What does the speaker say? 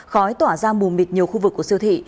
khói tỏa ra mù mịt nhiều khu vực của siêu thị